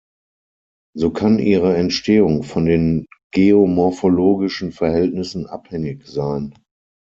So kann ihre Entstehung von den geomorphologischen Verhältnissen abhängig sein.